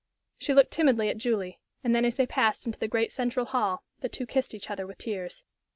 She looked timidly at Julie, and then, as they passed into the great central hall, the two kissed each other with tears.